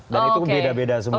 dan itu beda beda semua